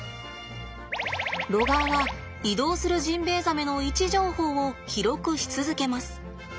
ロガーは移動するジンベエザメの位置情報を記録し続けます。